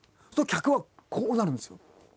そうすると客はこうなるんですよ。